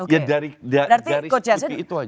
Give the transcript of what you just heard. ya dari garis putih itu saja